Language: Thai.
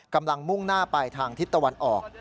มุ่งหน้าไปทางทิศตะวันออก